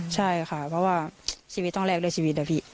ใช่ค่ะเพราะว่าชีวิตต้องแลกด้วยชีวิตนะพี่